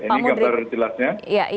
ini gambar jelasnya